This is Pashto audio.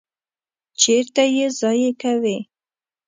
چیرته ییضایع کوی؟